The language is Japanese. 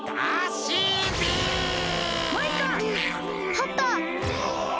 パパ！